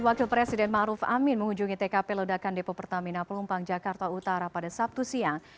wakil presiden ⁇ maruf ⁇ amin mengunjungi tkp ledakan depo pertamina pelumpang jakarta utara pada sabtu siang